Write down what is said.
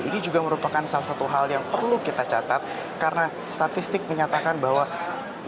ini juga merupakan salah satu hal yang perlu kita catat karena statistik menyatakan bahwa